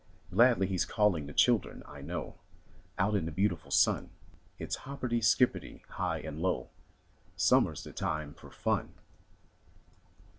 Gladly he's calling the children, I know, Out in the beautiful sun; It's hopperty, skipperty, high and low — Summer's the time for fun.